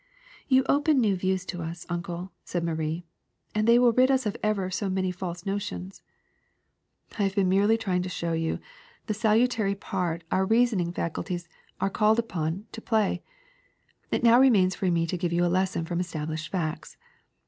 '* *^You open new views to us, Uncle,'' said Marie, '*and they will rid us of ever so many false notions.'' ^^I have merely been trying to show you the salu 228 THE SECRET OF EVERYDAY THINGS tary part our reasoning faculties are called upon to play. It now remains for me to give you a lesson from established facts.